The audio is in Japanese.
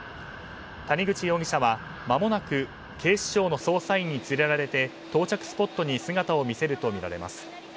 谷口容疑者はまもなく警視庁の捜査員に連れられて到着スポットに姿を見せるものとみられます。